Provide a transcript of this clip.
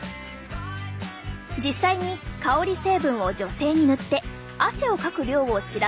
実際に香り成分を女性に塗って汗をかく量を調べると。